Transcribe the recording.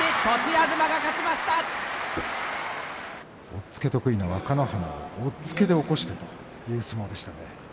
押っつけ得意な若乃花を押っつけで起こしたという相撲でした。